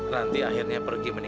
tapi akhirnya ranti tahu